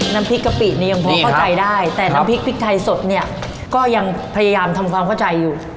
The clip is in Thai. น้ำพริกกะปิเนี่ยยังพอเข้าใจได้แต่น้ำพริกพริกไทยสดเนี่ยก็ยังพยายามทำความเข้าใจอยู่